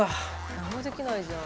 何もできないじゃん。